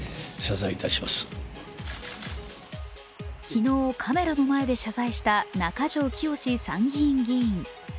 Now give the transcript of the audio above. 昨日、カメラの前で謝罪した中条きよし参議院議員。